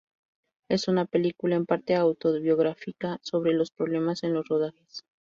Es una película en parte autobiográfica, sobre los problemas en los rodajes.